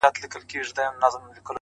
هره تجربه د ځان پېژندنې هنداره ده